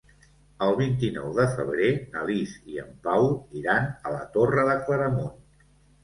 El vint-i-nou de febrer na Lis i en Pau iran a la Torre de Claramunt.